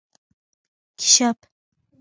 🐢 کېشپ